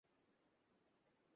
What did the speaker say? ও প্রস্তুত নেই।